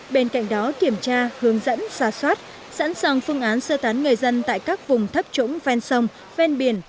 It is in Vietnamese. bên cạnh đó kiểm tra hướng dẫn xà soát sẵn sàng phương án sơ tán người dân tại các vùng thấp trũng ven sông ven biển